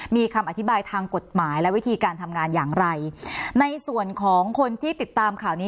มีคำอธิบายทางกฎหมายและวิธีการทำงานอย่างไรในส่วนของคนที่ติดตามข่าวนี้